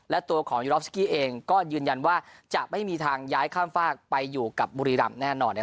และตัวของยูรอฟสกี้เองก็ยืนยันว่าจะไม่มีทางย้ายข้ามฝากไปอยู่กับบุรีรำแน่นอน